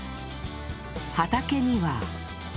畑には